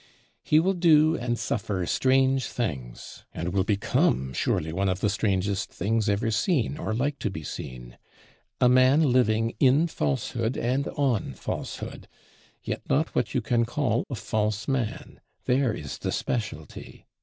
He will do and suffer strange things; and will become surely one of the strangest things ever seen, or like to be seen. A man living in falsehood and on falsehood; yet not what you can call a false man: there is the specialty!